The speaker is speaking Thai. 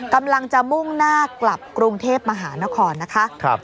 กำลังจะมุ่งหน้ากลับกรุงเทพมหานครนะคะ